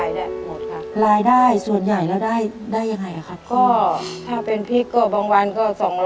เช้ามาก็ต้องหุงหาทั้งหมดข้าวให้พ่อกับน้องกินกันก่อน